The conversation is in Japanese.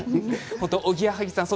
おぎやはぎさん